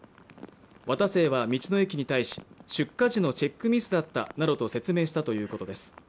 渡清は道の駅に対し出荷時のチェックミスだったなどと説明したということです